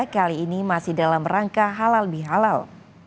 kali ini masih dalam rangka halal bihalal